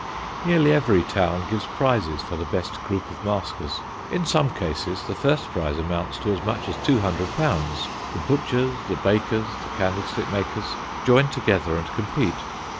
Nearly every town gives prizes for the best group of maskers. In some cases the first prize amounts to as much as two hundred pounds. The butchers, the bakers, the candlestick makers, join together and compete.